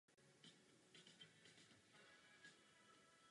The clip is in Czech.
Pokud jde o geneticky modifikované organismy, to je důležitá otázka.